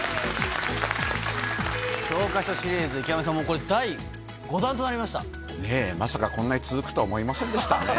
教科書シリーズ、これ、ねえ、まさかこんなに続くとは思いませんでしたね。